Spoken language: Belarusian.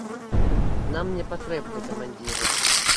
Нам не патрэбны камандзіры.